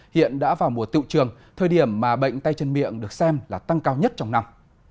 hiện đã vào mùa tiệu trường thời điểm mà bệnh tay chân miệng được xem là tăng cao nhất trong năm